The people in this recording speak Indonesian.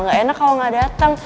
nggak enak kalau nggak dateng